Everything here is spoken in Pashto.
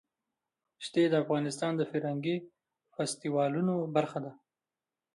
ښتې د افغانستان د فرهنګي فستیوالونو برخه ده.